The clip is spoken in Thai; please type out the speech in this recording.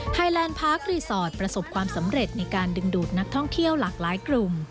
แลนด์พาร์ครีสอร์ทประสบความสำเร็จในการดึงดูดนักท่องเที่ยวหลากหลายกลุ่ม